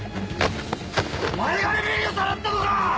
お前がえみりをさらったのか‼